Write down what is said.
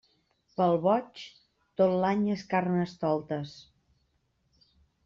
Pel boig, tot l'any és Carnestoltes.